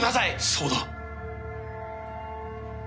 そうだ。